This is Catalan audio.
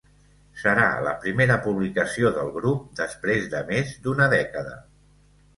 Serà la primera publicació del grup després de més d'una dècada.